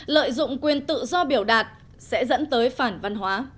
lợi dụng quyền tự do biểu đạt sẽ dẫn tới phản văn hóa